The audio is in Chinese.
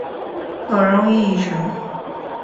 可溶于乙醇。